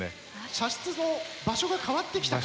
射出の場所が変わってきたか？